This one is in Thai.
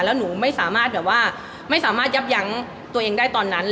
แล้วหนูไม่สามารถแบบว่าไม่สามารถยับยั้งตัวเองได้ตอนนั้น